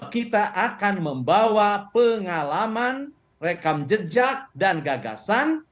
kita akan membawa pengalaman rekam jejak dan gagasan